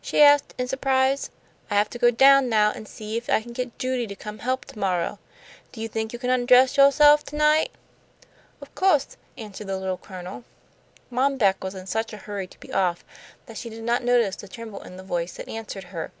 she asked, in surprise. "I have to go down now an' see if I can get Judy to come help to morrow. Do you think you can undress yo'self to night?" "Of co'se," answered the Little Colonel. Mom Beck was in such a hurry to be off that she did not notice the tremble in the voice that answered her.